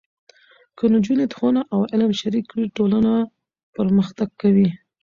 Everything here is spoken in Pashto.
که نجونې ښوونه او علم شریک کړي، ټولنه پرمختګ کوي.